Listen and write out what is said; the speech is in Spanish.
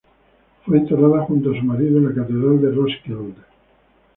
Fue enterrada junto a su marido en la Catedral de Roskilde